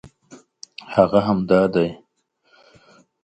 هغه همدا دی.